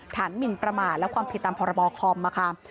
หมินประมาทและความผิดตามพรบคอมนะคะ